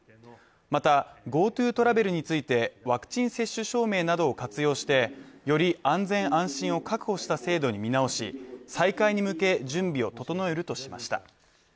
また、ＧｏＴｏトラベルについてワクチン接種証明などを活用してより安全安心を確保した制度に見直し再開に向け、準備を整えるとしました。